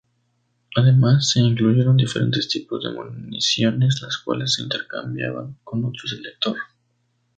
Además se incluyeron diferentes tipos de municiones, las cuales se intercambiaban con otro selector.